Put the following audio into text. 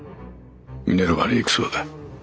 ミネルヴァに行くそうだ。